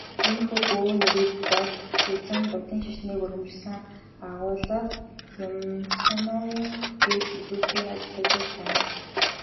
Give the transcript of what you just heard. Иймэрхүү бөө нэрийг дорд үзэн Буддын шашныг өргөмжилсөн агуулга Юмсуновын бүтээлд илүүтэй ажиглагдаж байна.